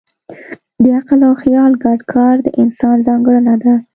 د عقل او خیال ګډ کار د انسان ځانګړنه ده.